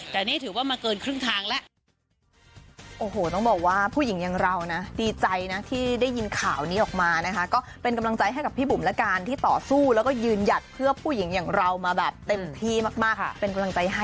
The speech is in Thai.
แต่นี่ถือว่ามาเกินครึ่งทางแล้ว